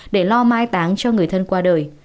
để lo mai táng cho người thân qua đời